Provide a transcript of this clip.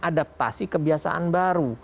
adaptasi kebiasaan baru